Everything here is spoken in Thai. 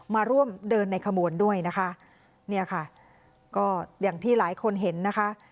มาร่วมเดินในขบวนด้วยนะคะเนี่ยค่ะก็อย่างที่หลายคนเห็นนะคะ